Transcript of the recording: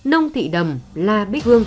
nông thị đầm la bích hương